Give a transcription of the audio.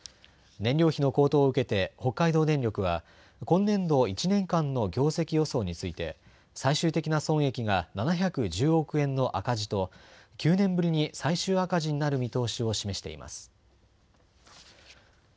燃料費の高騰を受けて北海道電力は今年度１年間の業績予想について最終的な損益が７１０億円の赤字と９年ぶりに最終赤字になる見通しを示しています。